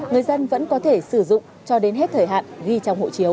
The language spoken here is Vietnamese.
người dân vẫn có thể sử dụng cho đến hết thời hạn ghi trong hộ chiếu